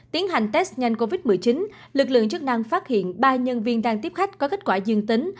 tiến hành test nhanh covid một mươi chín lực lượng chức năng phát hiện ba nhân viên đang tiếp khách có kết quả dương tính